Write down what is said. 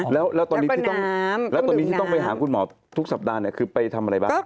แล้วตอนนี้ที่ต้องไปหาคุณหมอทุกสัปดาห์คือไปทำอะไรบ้าง